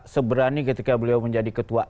seberani ketika beliau menjadi ketua